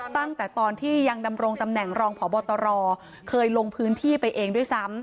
ตั้งแต่ตอนที่ยังดำรงตำแหน่งรองพบตรเคยลงพื้นที่ไปเองด้วยซ้ำ